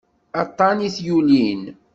Aṭṭan i t-yulin.